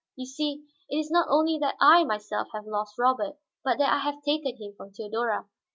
You see, it is not only that I myself have lost Robert, but that I have taken him from Theodora.